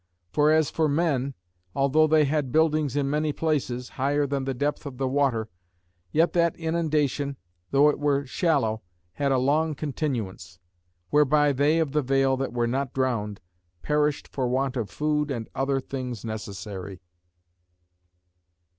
For as for men, although they had buildings in many places, higher than the depth of the water, yet that inundation, though it were shallow, had a long continuance; whereby they of the vale that were not drowned, perished for want of food and other things necessary.